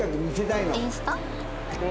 インスタ。